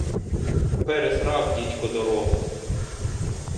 Пересрав дідько дорогу